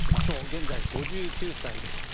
現在、５９歳です。